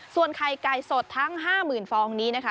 ส่วนไข่ไก่สดทั้ง๕๐๐๐ฟองนี้นะคะ